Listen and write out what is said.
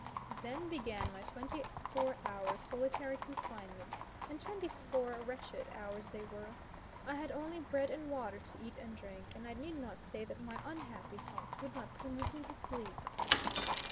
Then began my twenty four hours' solitary confinement, and twenty four wretched hours they were. I had only bread and water to eat and drink, and I need not say that my unhappy thoughts would not permit me to sleep.